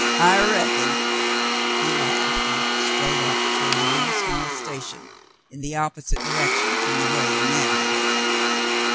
"I reckon." He laughed and strode off toward the one small station in the opposite direction from the way the man had taken.